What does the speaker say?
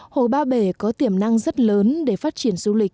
hồ ba bể có tiềm năng rất lớn để phát triển du lịch